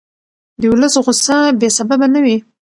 د ولس غوسه بې سببه نه وي